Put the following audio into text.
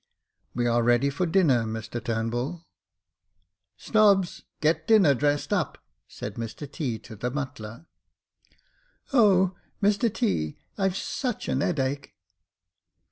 " We ai e ready for dinner, Mr Turnbull." " Snobbs, get dinner dressed up," said Mr T. to the butler. " O, Mr T., I've such an 'eadache."